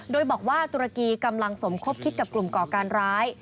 โดยบอกว่าตุรกีกำลังสมคบคิดกับกลุ่มก่อการร้าย